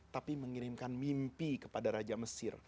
tapi mengirimkan mimpi kepada raja mesir